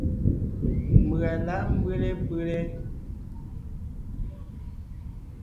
Mbʉ̀a lǎʼ mbʉ́le pʉ́le.